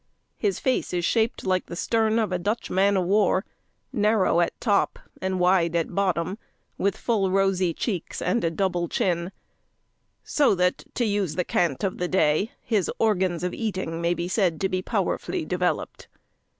His face is shaped like the stern of a Dutch man of war, narrow at top, and wide at bottom, with full rosy cheeks and a double chin; so, that, to use the cant of the day, his organs of eating may be said to be powerfully developed.